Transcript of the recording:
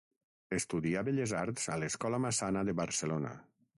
Estudià Belles Arts a l'Escola Massana de Barcelona.